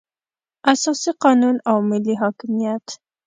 اساسي قانون او ملي حاکمیت.